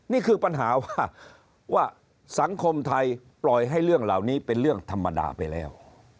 นี่คือปัญหาว่าสังคมไทยปล่อยให้เรื่องเหล่านี้เป็นเรื่องธรรมดาไปแล้ว